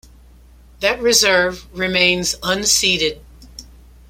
That reserve remains unceded.